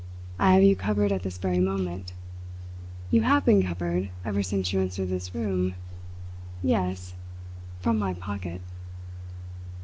I have you covered at this very moment. You have been covered ever since you entered this room. Yes from my pocket."